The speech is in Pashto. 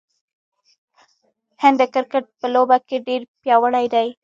هند د کرکټ په لوبه کې ډیر پیاوړی دی.